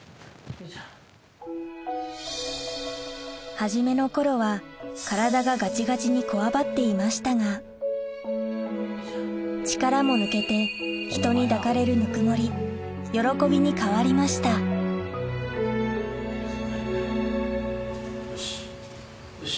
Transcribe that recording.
初めの頃は体がガチガチにこわばっていましたが力も抜けて人に抱かれるぬくもり喜びに変わりましたよしよし。